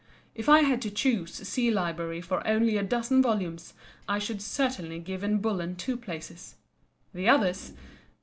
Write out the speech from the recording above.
If I had to choose a sea library of only a dozen volumes I should certainly give Bullen two places. The others?